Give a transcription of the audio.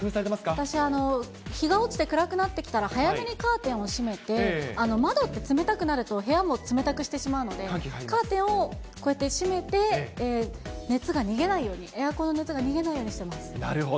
私、日が落ちて暗くなってきたら、早めにカーテンを閉めて、窓って冷たくなると、部屋も冷たくしてしまうので、カーテンをこうやって閉めて、熱が逃げないように、エアコンの熱が逃げないようにしなるほど。